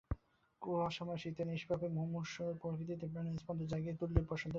কুয়াশাময় শীতের নিষ্পেষণে মুমূর্ষু প্রকৃতিতে প্রাণের স্পন্দন জাগিয়ে তুলতেই বসন্তের আগমন।